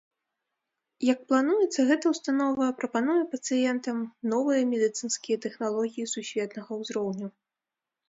Як плануецца, гэта ўстанова прапануе пацыентам новыя медыцынскія тэхналогіі сусветнага ўзроўню.